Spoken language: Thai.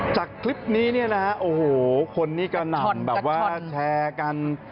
จากคลิปนี้โอ้โหคนนี้กระหน่ำแบบว่าแชร์กัน